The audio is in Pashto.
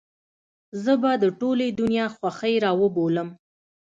زه به د ټولې دنيا خوښۍ راوبولم.